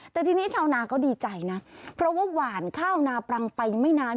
แต่ทีนี้ชาวนาก็ดีใจนะเพราะว่าหวานข้าวนาปรังไปไม่นาน